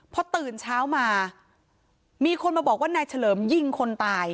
พอตื่นเช้ามามีคนมาบอกว่านายเฉลิมยิงคนตาย